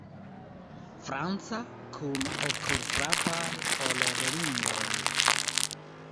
Franca, kun okulfrapaj orelringoj.